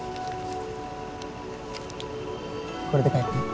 これで帰って。